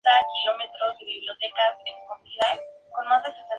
Cápsula dehiscente.